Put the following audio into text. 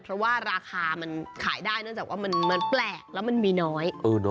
เพราะว่าราคามันขายได้เนื่องจากว่ามันแปลกแล้วมันมีน้อย